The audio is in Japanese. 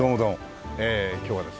ええ今日はですね